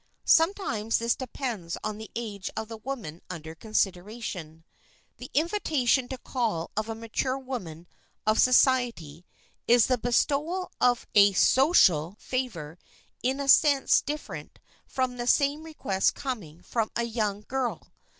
Sometimes this depends on the age of the woman under consideration. The invitation to call of a mature woman of society is the bestowal of a social favor in a sense different from the same request coming from a young girl.